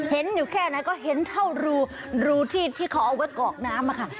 เห็นอยู่แค่ไหนก็เห็นเท่ารูที่เขาเอาไว้กรอกน้ำค่ะ